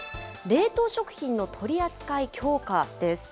冷凍食品の取り扱い強化です。